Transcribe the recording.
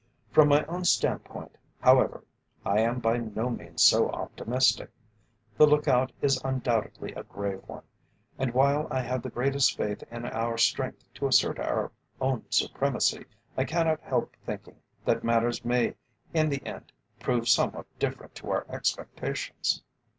"From my own stand point, however, I am by no means so optimistic. The look out is undoubtedly a grave one, and, while I have the greatest faith in our strength to assert our own supremacy, I cannot help thinking that matters may in the end prove somewhat different to our expectations."